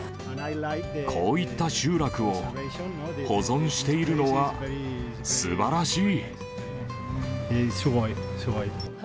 こういった集落を保存しているのはすばらしい。